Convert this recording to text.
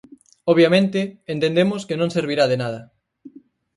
Obviamente, entendemos que non servirá de nada.